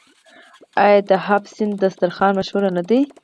آیا د هفت سین دسترخان مشهور نه دی؟